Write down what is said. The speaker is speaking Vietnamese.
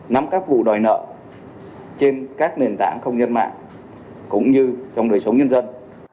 nắm các vụ đòi nợ trên các nền tảng không gian mạng cũng như trong đời sống nhân dân